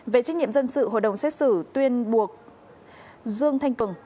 về trách nhiệm dân sự hội đồng xét xử tuyên buộc dương thanh cường